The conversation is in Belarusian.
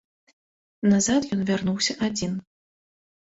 Назад ён вярнуўся адзін.